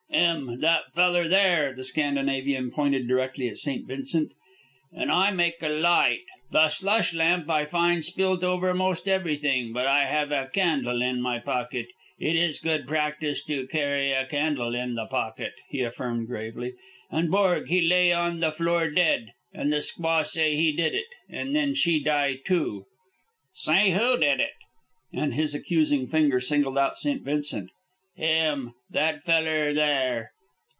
"Him. That feller there." The Scandinavian pointed directly at St. Vincent. "And I make a light. The slush lamp I find spilt over most everything, but I have a candle in my pocket. It is good practice to carry a candle in the pocket," he affirmed gravely. "And Borg he lay on the floor dead. And the squaw say he did it, and then she die, too." "Said who did it?" Again his accusing finger singled out St. Vincent. "Him. That feller there."